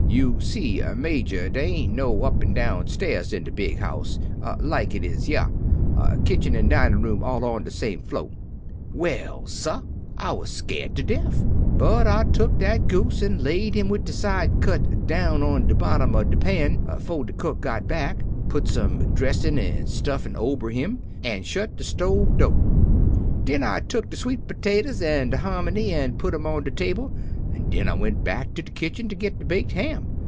You see, Major, dey ain't no up an' down stairs in de big house, like it is yer; kitchen an' dinin' room all on de same flo'. "Well, sah, I was scared to def, but I tuk dat goose an' laid him wid de cut side down on de bottom of de pan 'fo' de cook got back, put some dressin' an' stuffin' ober him, an' shet de stove do'. Den I tuk de sweet potatoes an' de hominy an' put 'em on de table, an' den I went back in de kitchen to git de baked ham.